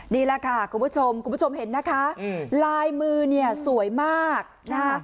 นี่แหละค่ะคุณผู้ชมคุณผู้ชมเห็นนะคะลายมือเนี่ยสวยมากนะคะ